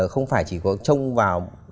không phải chỉ có trông vào